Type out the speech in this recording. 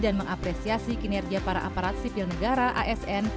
dan mengapresiasi kinerja para aparat sipil negara asn